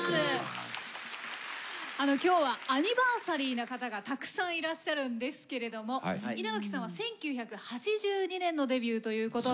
あの今日はアニバーサリーな方がたくさんいらっしゃるんですけれども稲垣さんは１９８２年のデビューということで。